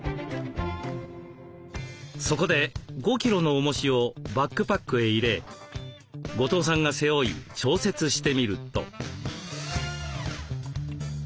そこで５キロのおもしをバックパックへ入れ後藤さんが背負い調節してみると。